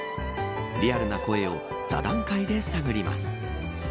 リアルな声を座談会で探ります。